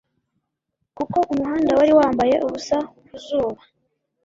Kuko umuhanda wari wambaye ubusa ku zuba;